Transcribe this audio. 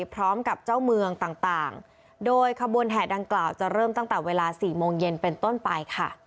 พร้อมกับเจ้าเมืองต่างโดยขบวนแห่ดังกล่าวจะเริ่มตั้งแต่เวลา๔โมงเย็นเป็นต้นไปค่ะ